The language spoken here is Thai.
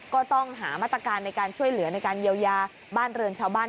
ก็ต้องหามาตรการในการช่วยเหลือในการเยียวยาบ้านเรือนชาวบ้าน